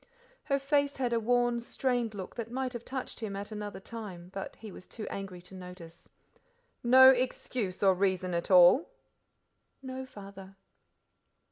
Her face had a worn, strained look that might have touched him at another time, but he was too angry to notice. "No excuse or reason at all?" "No, Father."